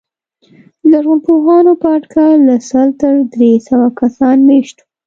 د لرغونپوهانو په اټکل له سل تر درې سوه کسان مېشت وو.